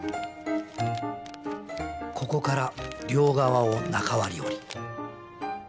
ここから両側を中割り折り。